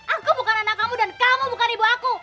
aku bukan anak kamu dan kamu bukan ibu aku